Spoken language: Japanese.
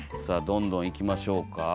さあどんどんいきましょうか。